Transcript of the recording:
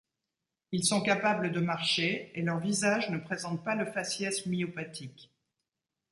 Ils sont capables de marcher et leurs visages ne présentent pas le faciès myopathique.